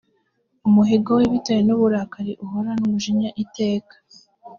umuhigo we bitewe n uburakari ahorana umujinya iteka